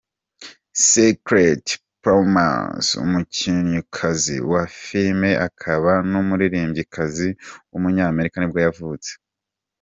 Scarlett Pomers, umukinnyikazi wa filime akaba n’umuririmbyikazi w’umunyamerika nibwo yavutse.